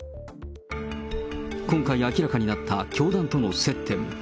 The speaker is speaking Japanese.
今回明らかになった教団との接点。